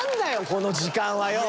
この時間はよ！